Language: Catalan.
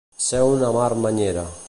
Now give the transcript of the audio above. Ser una marmanyera.